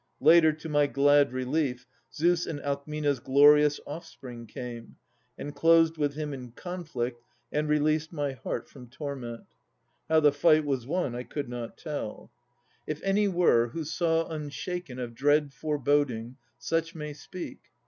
Later, to my glad relief, Zeus' and Alcmena's glorious offspring came, And closed with him in conflict, and released My heart from torment. How the fight was won I could not tell. If any were who saw Unshaken of dread foreboding, such may speak.